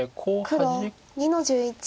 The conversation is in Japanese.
黒２の十一。